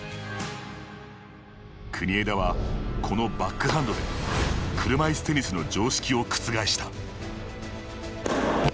国枝は、このバックハンドで車いすテニスの常識を覆した。